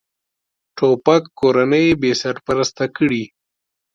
توپک کورنۍ بېسرپرسته کړي.